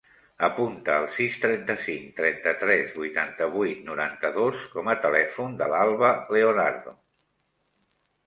Apunta el sis, trenta-cinc, trenta-tres, vuitanta-vuit, noranta-dos com a telèfon de l'Alba Leonardo.